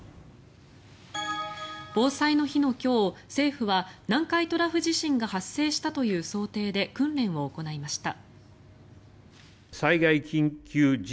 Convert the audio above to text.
防災の日の今日、政府は南海トラフ地震が発生したという想定で訓練を行いました。